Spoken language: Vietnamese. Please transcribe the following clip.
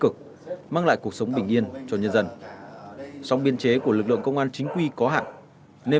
cực mang lại cuộc sống bình yên cho nhân dân song biên chế của lực lượng công an chính quy có hạn nên